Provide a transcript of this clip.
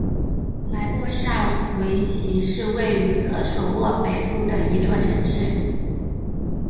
莱波萨维奇是位于科索沃北部的一座城市。